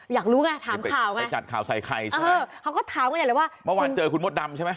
อยากรู้ไงถามข่าวไงไปจัดข่าวใส่ไข่ใช่ไหมเขาก็ถามกันใหญ่เลยว่าเมื่อวานเจอคุณมดดำใช่ไหม